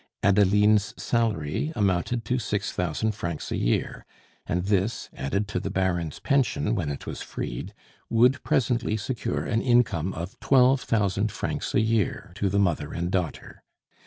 Adeline's salary amounted to six thousand francs a year; and this, added to the Baron's pension when it was freed, would presently secure an income of twelve thousand francs a year to the mother and daughter.